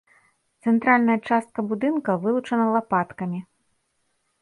Цэнтральная частка будынка вылучана лапаткамі.